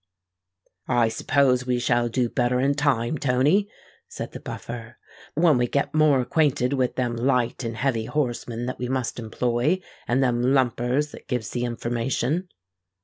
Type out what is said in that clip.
"I suppose we shall do better in time, Tony," said the Buffer, "when we get more acquainted with them light and heavy horsemen that we must employ, and them lumpers that gives the information."